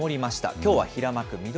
きょうは平幕・翠